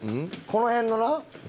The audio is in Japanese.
この辺のな。